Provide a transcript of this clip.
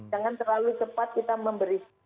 jangan terlalu cepat kita memberi